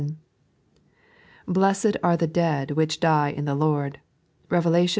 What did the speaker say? "Biased are the dead which die in the Lord" (Rev.xiv.